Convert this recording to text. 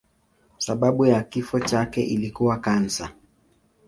Sababu ya kifo chake ilikuwa kansa.